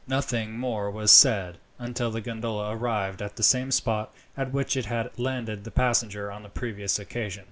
Nothing more was said, until the gondola arrived at the same spot at which it had landed the passenger on the previous occasion.